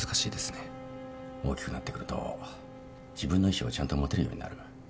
大きくなってくると自分の意思をちゃんと持てるようになる。